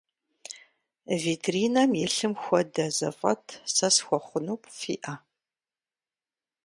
Витринэм илъым хуэдэ зэфӏэт сэ схуэхъуну фиӏэ?